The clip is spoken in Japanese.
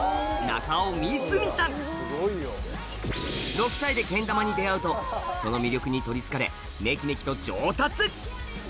６歳でけん玉に出会うとその魅力に取りつかれメキメキと上達！